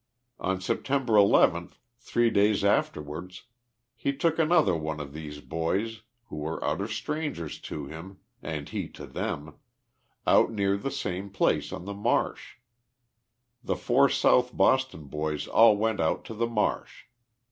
On September 11, three days afterwards, lie took another one of these boys, who were utter strangers to him, and lie to them, out near the same place on the marsh. The four South Boston bovs all went out to the marsh.